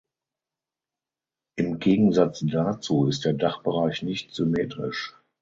Im Gegensatz dazu ist der Dachbereich nicht symmetrisch.